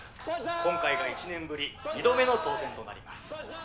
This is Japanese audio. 今回が１年ぶり２度目の当選となります。